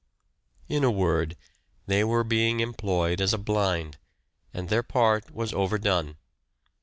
In a word, they were being employed as a blind, and their part was overdone.